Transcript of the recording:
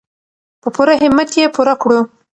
په پوره همت یې پوره کړو.